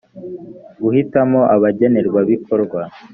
guhitamo abagenerwabikorwa